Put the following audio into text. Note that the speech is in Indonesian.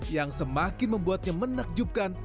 yang semakin membuatnya menakjubkan